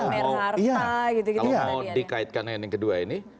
kalau mau dikaitkan dengan yang kedua ini